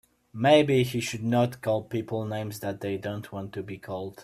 Maybe he should not call people names that they don't want to be called.